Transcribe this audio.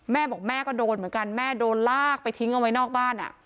แม่บอกแม่ก็โดนเหมือนกันแม่โดนลากไปทิ้งเอาไว้นอกบ้าน